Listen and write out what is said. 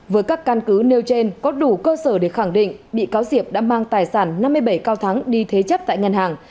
với các căn cứ nêu trên có đủ cơ sở để khẳng định bị cáo diệp đã mang tài sản năm mươi bảy cao thắng đi thế chấp tại ngân hàng